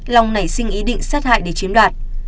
long nảy sinh ý định sát hại để chiếm đoạt